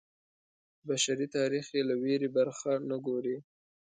بشري تاریخ یې له ویرې برخه نه ګرځوي.